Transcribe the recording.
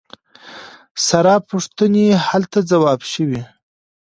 ثره پوښتنې هلته ځواب شوي.